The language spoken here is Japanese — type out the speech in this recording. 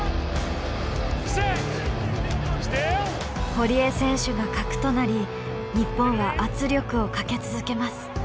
堀江選手が核となり日本は圧力をかけ続けます。